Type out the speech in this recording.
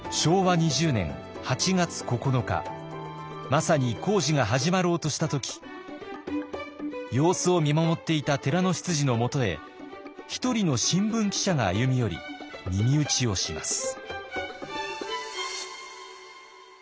まさに工事が始まろうとした時様子を見守っていた寺の執事のもとへ一人の新聞記者が歩み寄り耳打ちをします。